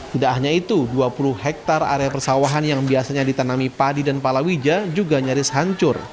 tidak hanya itu dua puluh hektare area persawahan yang biasanya ditanami padi dan palawija juga nyaris hancur